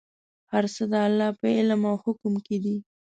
هر څه د الله په علم او حکم کې دي.